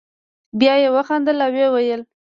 بیا یې وخندل او ویې ویل.